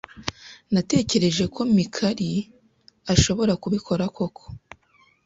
Natekereje ko Mikali ashobora kubikora koko.